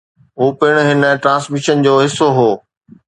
هو پڻ هن ٽرانسميشن جو حصو هو